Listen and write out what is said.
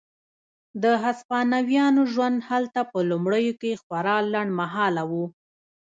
د هسپانویانو ژوند هلته په لومړیو کې خورا لنډ مهاله و.